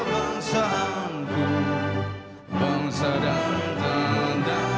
bangsa ku rakyat ku semuanya